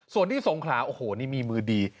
ส่วนที่สงขลาโอ้โหนี่มีมือดี